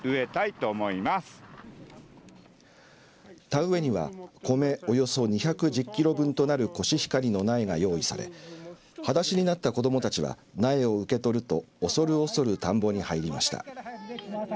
田植えにはコメおよそ２１０キロ分となるコシヒカリの苗が用意されはだしになった子どもたちは苗を受け取るとおそるおそる田んぼに入りました。